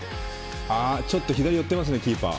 ちょっとひだりよってますねキーパー。